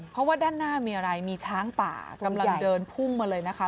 เพราะว่าด้านหน้ามีอะไรมีช้างป่ากำลังเดินพุ่งมาเลยนะคะ